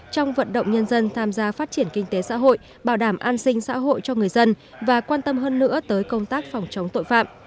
trong vận động nhân dân tham gia phát triển kinh tế xã hội bảo đảm an sinh xã hội cho người dân và quan tâm hơn nữa tới công tác phòng chống tội phạm